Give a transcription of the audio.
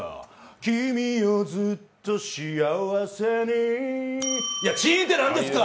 君をずっと幸せにチンって何ですか？